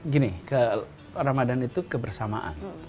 gini ramadhan itu kebersamaan